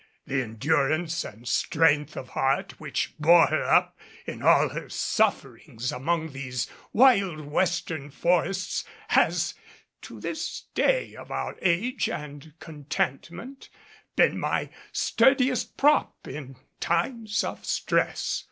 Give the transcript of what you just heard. The endurance and strength of heart which bore her up in all her sufferings among those wild western forests has, to this day of our age and contentment, been my sturdiest prop in time of stress.